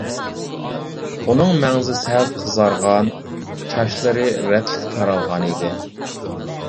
ئۇنىڭ مەڭزى سەل قىزارغان، چاچلىرى رەتلىك تارالغان ئىدى.